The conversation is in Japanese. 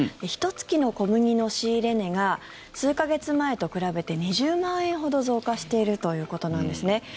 ひと月の小麦の仕入れ値が数か月前と比べて２０万円ほど増加しているということなんですね。